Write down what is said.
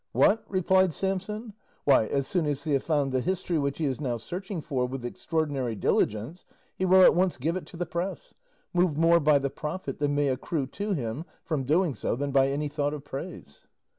"What?" replied Samson; "why, as soon as he has found the history which he is now searching for with extraordinary diligence, he will at once give it to the press, moved more by the profit that may accrue to him from doing so than by any thought of praise."